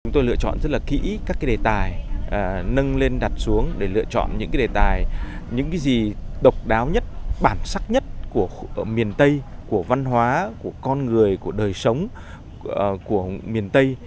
tôi lựa chọn rất là kỹ các đề tài nâng lên đặt xuống để lựa chọn những đề tài những gì độc đáo nhất bản sắc nhất của miền tây của văn hóa của con người của đời sống của miền tây